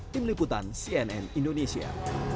tim liputan cnn indonesia